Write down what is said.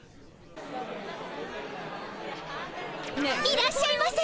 いらっしゃいませ。